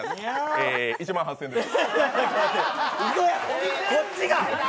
えー、１万８０００円です。